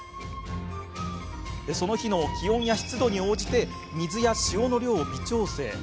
その日の気温や湿度に応じて水や塩の量を微調整。